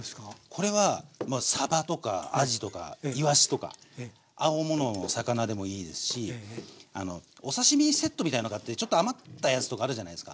これはさばとかあじとかいわしとか青物の魚でもいいですしお刺身セットみたいの買ってちょっと余ったやつとかあるじゃないですか。